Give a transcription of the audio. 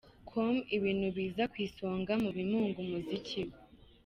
com ibintu biza ku isonga mu bimunga umuziki we.